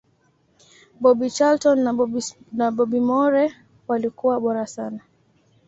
bobby charlton na bobby moore walikuwa bora sana